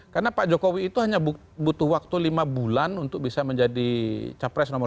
karena pak jokowi itu hanya butuh waktu lima bulan untuk bisa menjadi capres nomor satu